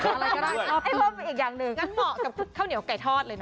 งั้นเหมาะกับข้าวเหนียวกไก่ทอดเลยเนอะ